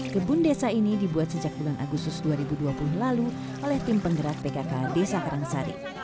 kebun desa ini dibuat sejak bulan agustus dua ribu dua puluh lalu oleh tim penggerak pkk desa karangsari